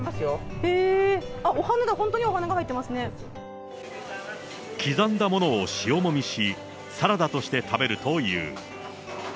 へぇ、お花だ、刻んだものを塩もみし、サラダとして食べるという。